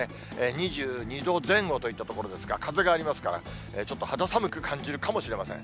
２２度前後といったところですが、風がありますから、ちょっと肌寒く感じるかもしれません。